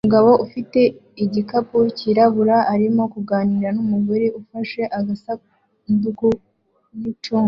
Umugabo ufite igikapu cyirabura arimo kuganira numugore ufashe agasanduku nicunga